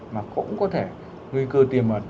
mà cũng có thể nguy cơ tiềm mật